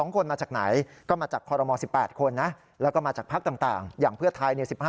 ๗๒คนมาจากไหนก็มาจากคม๑๘คนนะ